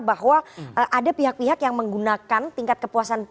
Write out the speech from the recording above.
bahwa ada pihak pihak yang menggunakan tingkat kepuasan